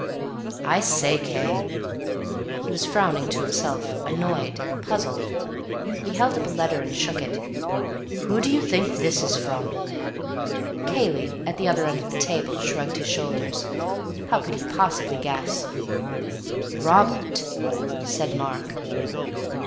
"I say, Cay!" He was frowning to himself—annoyed, puzzled. He held up a letter and shook it. "Who do you think this is from?" Cayley, at the other end of the table, shrugged his shoulders. How could he possibly guess? "Robert," said Mark.